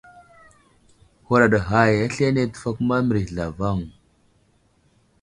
Huraɗ ghay aslane təfakuma mərəz zlavaŋ.